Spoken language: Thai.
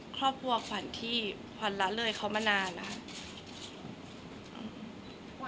คนเราถ้าใช้ชีวิตมาจนถึงอายุขนาดนี้แล้วค่ะ